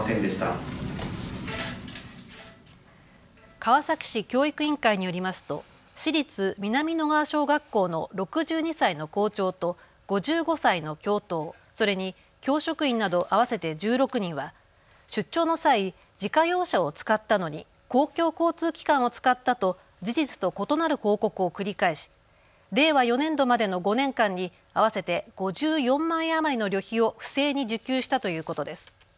川崎市教育委員会によりますと市立南野川小学校の６２歳の校長と５５歳の教頭、それに教職員など合わせて１６人は出張の際、自家用車を使ったのに公共交通機関を使ったと事実と異なる報告を繰り返し令和４年度までの５年間に合わせて５４万円余りの旅費を不正に受給したということです。